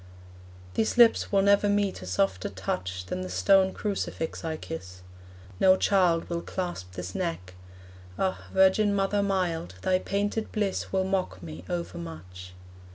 These lips will never meet a softer touch Than the stone crucifix I kiss; no child Will clasp this neck. Ah, virgin mother mild, Thy painted bliss will mock me overmuch.